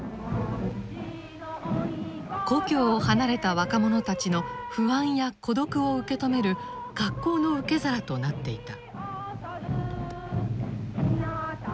故郷を離れた若者たちの不安や孤独を受け止める格好の受け皿となっていた。